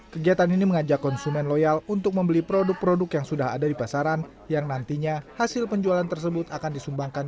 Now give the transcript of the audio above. kegiatan ini mengajak konsumen loyal untuk membeli produk produk yang sudah ada di pasaran yang nantinya hasil penjualan tersebut akan disumbangkan